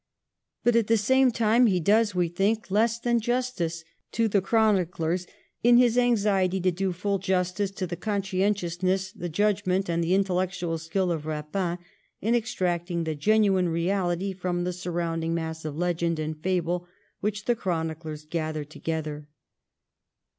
But at the same time he does, we think, less than justice to the chroniclers in his anxiety to do full justice to the conscientiousness, the judgment, and the in tellectual skill of Eapin in extracting the genuine reality from the surrounding mass of legend and fable which the chroniclers gathered together.